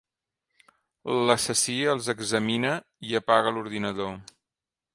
L'assassí els examina i apaga l'ordinador.